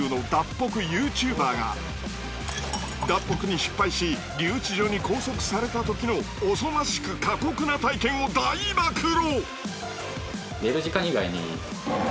脱北に失敗し留置所に拘束されたときのおぞましく過酷な体験を大暴露。